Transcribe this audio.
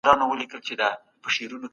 سیاست پوهنه زموږ راتلونکی ټاکي.